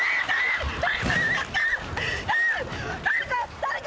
誰か！